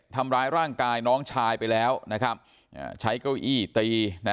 ทำร้ายร่างกายน้องชายไปแล้วนะครับใช้เก้าอี้ตีนะ